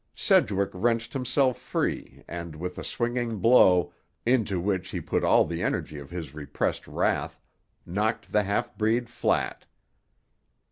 Sedgwick wrenched himself free and, with a swinging blow, into which he put all the energy of his repressed wrath, knocked the half breed flat.